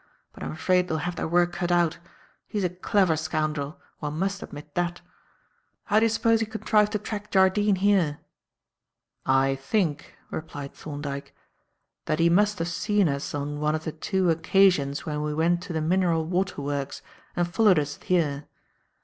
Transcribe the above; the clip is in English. But I'm afraid they'll have their work cut out. He is a clever scoundrel; one must admit that. How do you suppose he contrived to track Jardine here?" "I think," replied Thorndyke, "that he must have seen us on one of the two occasions when we went to the mineral water works and followed us here.